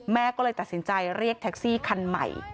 แม่ก็เลยตัดสินใจเรียกแท็กซี่คันใหม่